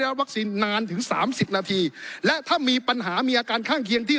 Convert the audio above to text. วัคซีนนานถึงสามสิบนาทีและถ้ามีปัญหามีอาการข้างเคียงที่